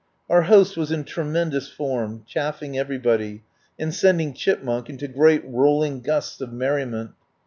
Our host was in tremendous form, chaffing everybody, and sending Chipmunk into great rolling gusts of merriment.